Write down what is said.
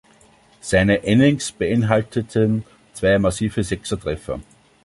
Seine Innings beinhalteten zwei massive Sechser-Treffer.